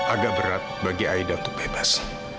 agak berat bagi aida untuk bebas